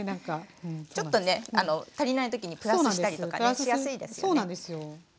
ちょっとね足りない時にプラスしたりとかねしやすいですよね。